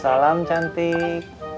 sama sama ya cici kirimin ya